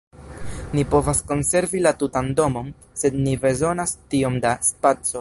Ni povas konservi la tutan domon, sed ni ne bezonas tiom da spaco.